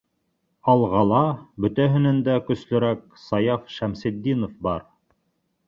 «Алға»ла бөтәһенән дә көслөрәк Саяф Шәмсетдинов бар!